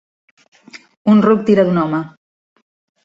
Un ruc tira d'un home.